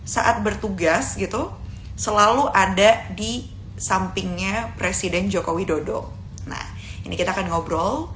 saat bertugas gitu selalu ada di sampingnya presiden jokowi dodo ini kita akan ngobrol